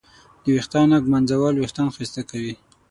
د ویښتانو ږمنځول وېښتان ښایسته کوي.